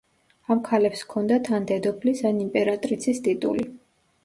ამ ქალებს ჰქონდათ ან დედოფლის, ან იმპერატრიცის ტიტული.